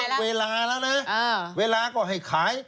ถอยจนก็นึกเวลาแล้วเลยเวลาก็ให้ขาย